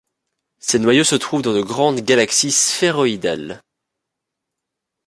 Ces noyaux se trouvent dans de grandes galaxies sphéroïdales.